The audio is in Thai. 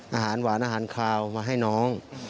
อาหารหวานอาหารคาวมาให้น้อง